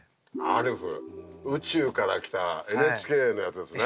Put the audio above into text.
宇宙から来たＮＨＫのやつですね。